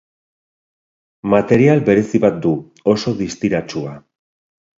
Material berezi bat du, oso distiratsua.